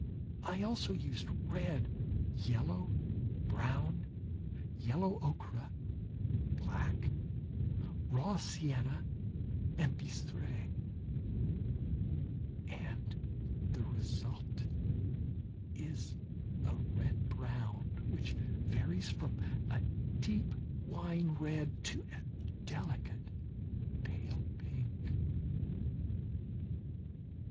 I also used red, yellow, brown, yellow ochre, black, raw sienna and bistre and the result is a red brown, which varies from a deep wine red to a delicate pale pink.